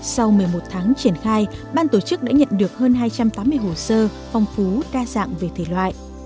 sau một mươi một tháng triển khai ban tổ chức đã nhận được hơn hai trăm tám mươi hồ sơ phong phú đa dạng về thể loại